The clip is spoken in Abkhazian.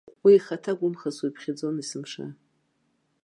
Уи ихаҭа гәымхас уиԥхьаӡон есымша.